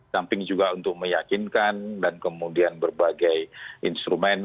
samping juga untuk meyakinkan dan kemudian berbagai instrumen